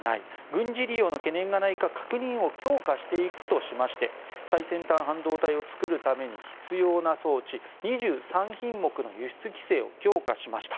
軍事利用の懸念がないか確認を強化していくとして最先端半導体を作るために必要な装置２３品目の輸出規制を強化しました。